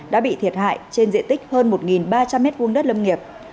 đã bị thiệt hại trên diện tích hơn một ba trăm linh m hai đất lâm nghiệp